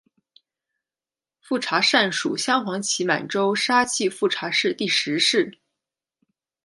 富察善属镶黄旗满洲沙济富察氏第十世。